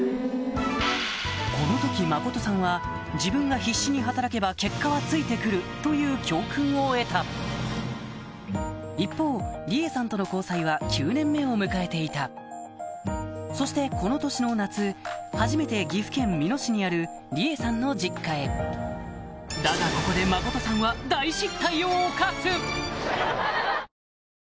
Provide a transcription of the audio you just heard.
この時慎人さんは自分が必死に働けば結果はついて来るという教訓を得た一方理恵さんとの交際は９年目を迎えていたそしてこの年の夏初めて岐阜県美濃市にあるだがここで慎人さんは大失態を犯す！